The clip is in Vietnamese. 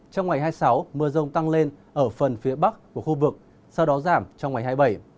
trong ngày hai mươi sáu mưa rông tăng lên ở phần phía bắc của khu vực sau đó giảm trong ngày hai mươi bảy